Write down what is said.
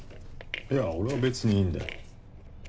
いや俺は別にいいんだよ。